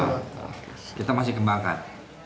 kita masih kembangkan